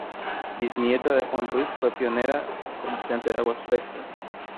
Bisnieta de Juana Ruiz fue pionera comerciante de aguas frescas.